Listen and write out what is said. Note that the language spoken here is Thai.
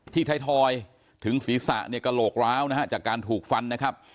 ไทยทอยถึงศีรษะเนี่ยกระโหลกร้าวนะฮะจากการถูกฟันนะครับ